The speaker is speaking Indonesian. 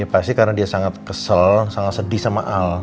pasti karena dia sangat kesel sangat sedih sama al